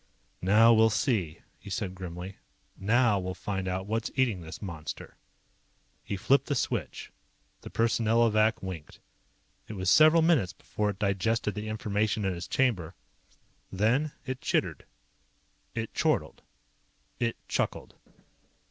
"Now we'll see," he said grimly. "Now we'll find out what's eating this monster." He flipped the switch. The Personnelovac winked. It was several minutes before it digested the information in its chamber. Then it chittered. It chortled. It chuckled.